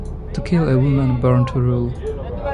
to kill a woman born to rule